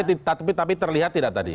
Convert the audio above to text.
tapi terlihat tidak tadi